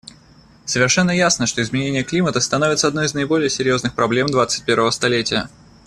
Совершенно ясно, что изменение климата становится одной из наиболее серьезных проблем двадцать первого столетия.